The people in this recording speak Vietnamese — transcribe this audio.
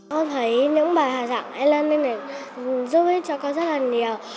tôi thấy những bài giảng e learning này giúp cho con rất là nhiều